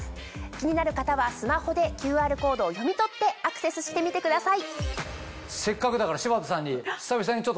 気になる方はスマホでＱＲコードを読み取ってアクセスしてみてください。